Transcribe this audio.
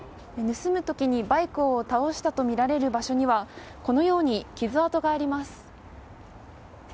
盗む時にバイクを倒したとみられる場所にはこのように傷跡があります。